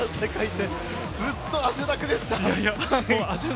ずっと汗だくでした。